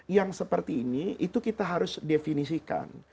yang seperti ini itu kita harus definisikan